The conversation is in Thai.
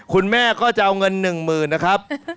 คุณแม่ก็จะเอาเงินหนึ่งหมื่นนะครับ